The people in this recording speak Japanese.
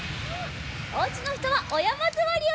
おうちのひとはおやまずわりをしてください。